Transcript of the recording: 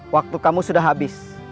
waktu kamu sudah habis